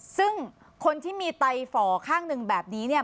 ซึ่งคนที่มีไตฝ่อข้างหนึ่งแบบนี้เนี่ย